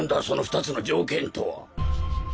その２つの条件とは。